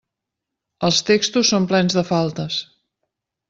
Els textos són plens de faltes.